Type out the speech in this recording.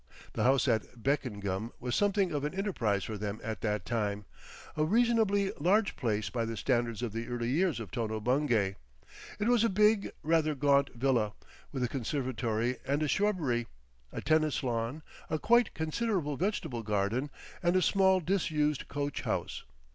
The house at Beckengham was something of an enterprise for them at that time, a reasonably large place by the standards of the early years of Tono Bungay. It was a big, rather gaunt villa, with a conservatory and a shrubbery, a tennis lawn, a quite considerable vegetable garden, and a small disused coach house.